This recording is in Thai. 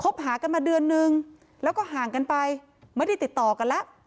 หากันมาเดือนนึงแล้วก็ห่างกันไปไม่ได้ติดต่อกันแล้ว